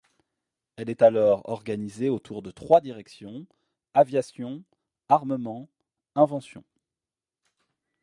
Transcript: Elle est alors organisée autour de trois directions, aviation, armement, invention.